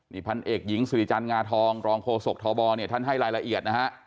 นี่พันเอกหญิงสิริจันทร์งาทองรองโฆษกทบเนี่ยท่านให้รายละเอียดนะฮะ